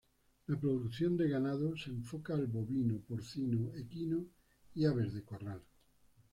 La producción de ganado, se enfoca al bovino, porcino, equino y aves de corral.